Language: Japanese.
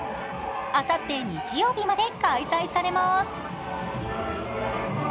あさって日曜日まで開催されます。